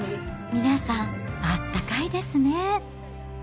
皆さん、あったかいですね。